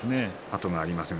後がありません。